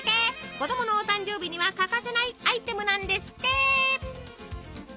子供のお誕生日には欠かせないアイテムなんですって。